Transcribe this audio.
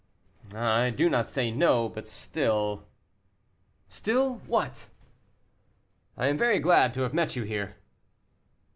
"I do not say no, but still " "Still, what?" "I am very glad to have met you here."